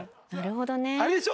あれでしょ？